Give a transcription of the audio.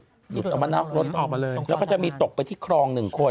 หลุดเอามาน่ะหลุดออกมาเลยแล้วเขาจะมีตกไปที่ครองหนึ่งคน